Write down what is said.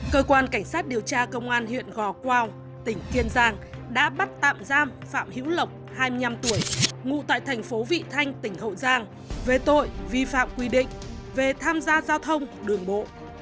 cơ quan cảnh sát điều tra công an huyện gò quao tỉnh kiên giang đã bắt tạm giam phạm hữu lộc hai mươi năm tuổi ngụ tại thành phố vị thanh tỉnh hậu giang về tội vi phạm quy định về tham gia giao thông đường bộ